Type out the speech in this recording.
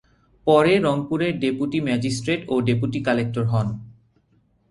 পরে রংপুরের deputy magistrate ও ডেপুটি কালেক্টর হন।